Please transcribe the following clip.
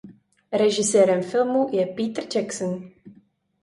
Režisérem filmu je Peter Jackson.